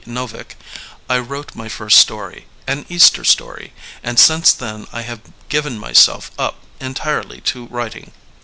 Novik, I wrote my first story, an Easter story, and since then I have given myself up entirely to writing.